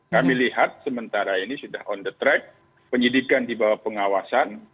kami lihat sementara ini sudah on the track penyidikan di bawah pengawasan